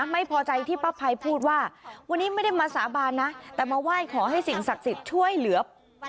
ไม่พอใจที่ป้าภัยพูดว่าวันนี้ไม่ได้มาสาบานนะแต่มาไหว้ขอให้สิ่งศักดิ์สิทธิ์ช่วยเหลือ